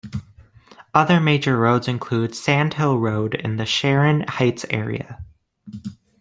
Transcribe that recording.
Other major roads include Sand Hill Road in the Sharon Heights area.